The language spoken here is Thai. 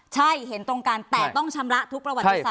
ใช่เห็นตรงกันแต่ต้องชำระทุกประวัติศาส